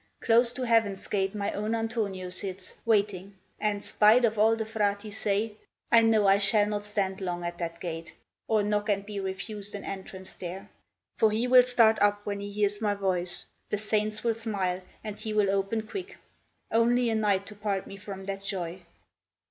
Close to Heaven's gate my own Antonio sits Waiting, and, spite of all the Frati say, I know I shall not stand long at that gate, Or knock and be refused an entrance there, For he will start up when lie hears my voice, The saints will smile, and he will open quick. Only a night to part me from that joy.